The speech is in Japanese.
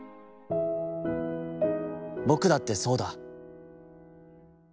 僕だってさうだ』。